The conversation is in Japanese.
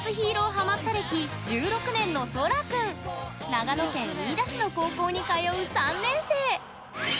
長野県飯田市の高校に通う３年生。